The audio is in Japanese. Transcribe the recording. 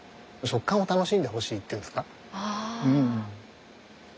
食感を楽しんでほしいっていうんですか。